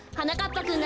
ぱくん